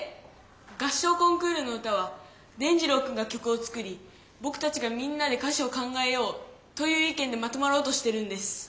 合唱コンクールの歌は伝じろうくんが曲を作りぼくたちがみんなで歌詞を考えようという意見でまとまろうとしてるんです。